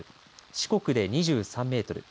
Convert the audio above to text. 四国で２３メートル